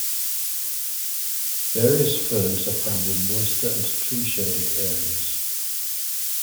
Various ferns are found in moister and tree-shaded areas.